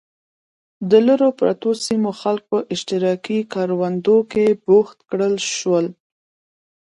د لرو پرتو سیمو خلک په اشتراکي کروندو کې بوخت کړل شول.